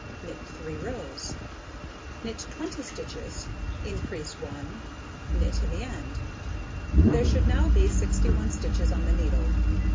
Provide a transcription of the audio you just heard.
Knit 3 rows, knit 20 stitches, increase 1, knit to the end. There should now be 61 stitches on the needle.